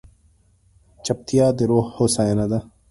چپتیا، د روح هوساینه ده.